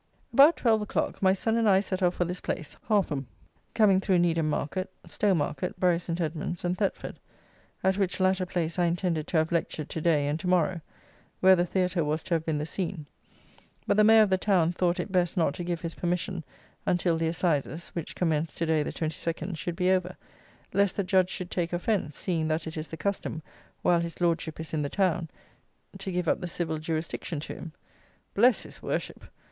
About twelve o'clock, my son and I set off for this place (Hargham), coming through Needham Market, Stowmarket, Bury St. Edmund's, and Thetford, at which latter place I intended to have lectured to day and to morrow, where the theatre was to have been the scene, but the mayor of the town thought it best not to give his permission until the assizes (which commence to day the 22nd) should be over, lest the judge should take offence, seeing that it is the custom, while his Lordship is in the town, to give up the civil jurisdiction to him. Bless his worship!